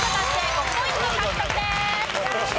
５ポイント獲得です。